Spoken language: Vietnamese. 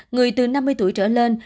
người từ năm mươi tuổi trở lên